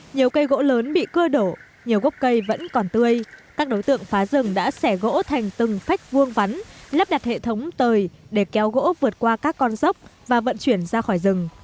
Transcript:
nhiều cây gỗ lớn bị cưa đổ nhiều gốc cây vẫn còn tươi các đối tượng phá rừng đã xẻ gỗ thành từng phách vuông vắn lắp đặt hệ thống tời để kéo gỗ vượt qua các con dốc và vận chuyển ra khỏi rừng